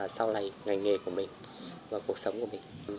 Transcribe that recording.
sau này ngành nghề của mình và cuộc sống của mình